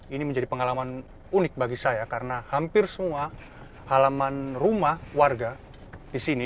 ini menjadi pengalaman unik bagi saya karena hampir semua halaman rumah warga di sini